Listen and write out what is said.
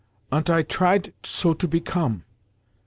Ant I triet so to become.